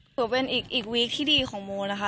ถือเป็นอีกวีคที่ดีของโมนะคะ